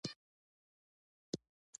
دوی له هر ډول اساسي خدماتو څخه بې برخې وو.